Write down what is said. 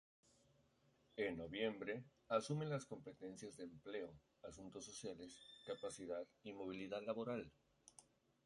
En noviembre, asume las competencias de Empleo, Asuntos Sociales, Capacidad y Movilidad Laboral.